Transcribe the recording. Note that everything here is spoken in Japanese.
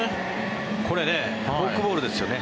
これフォークボールですよね。